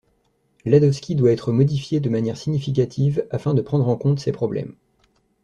Ladovski doit être modifié de manière significative afin de prendre en compte ces problèmes.